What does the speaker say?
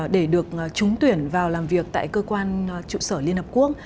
để được trúng tuyển vào làm việc tại cơ quan trụ sở liên hợp quốc